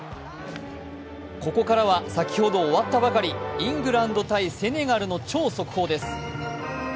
ここからは先ほど終わったばかり、イングランド×セネガルの超速報です。